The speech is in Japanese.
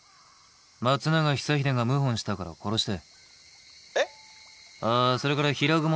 荒木村重が謀反したから殺して。